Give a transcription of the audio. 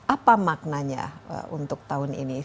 apa maknanya untuk tahun ini